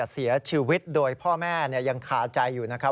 เสียชีวิตโดยพ่อแม่ยังคาใจอยู่นะครับ